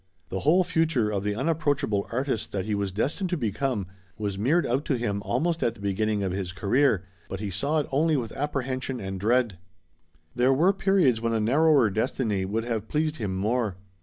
The whole future of the unapproachable artist that he was destined to become, was mirrored out to him almost at the beginning of his career, but he saw it only with apprehension and dread. There were periods when a narrower destiny would have pleased him more.